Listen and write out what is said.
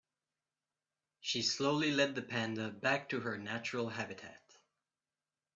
She slowly led the panda back to her natural habitat.